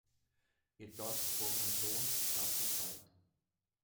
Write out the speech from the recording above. Ihr dort geborener Sohn starb schon bald.